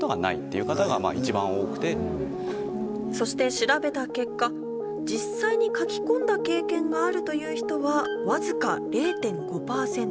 そして調べた結果実際に書き込んだ経験があるという人はわずか０．５％。